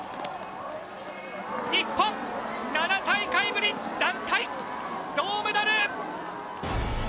日本、７大会ぶり団体、銅メダル！